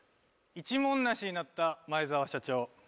一文なしになった前澤社長。